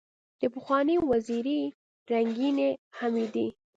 دپخوانۍ وزیرې رنګینې حمیدې